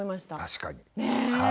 確かに。ね！